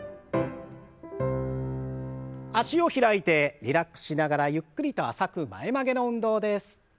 脚を開いてリラックスしながらゆっくりと浅く前曲げの運動です。